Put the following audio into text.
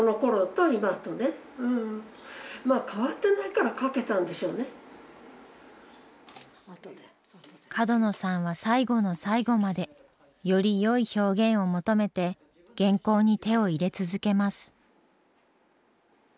だからでもね角野さんは最後の最後までよりよい表現を求めて原稿に手を入れ続けます。